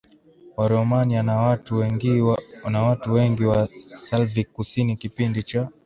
Waromania na watu wengi wa Slavic Kusini Kipindi cha